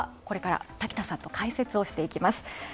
これから滝田さんと解説をしていきます。